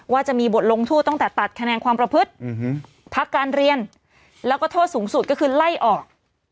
จะมีบทลงโทษตั้งแต่ตัดคะแนนความประพฤติพักการเรียนแล้วก็โทษสูงสุดก็คือไล่ออก